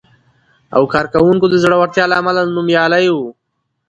او کارونکو د زړورتیا له امله نومیالی و،